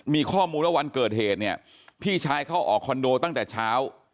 มีข้อมูลว่าวันเกิดเหตุเนี่ยพี่ชายเข้าออกคอนโดตั้งแต่เช้า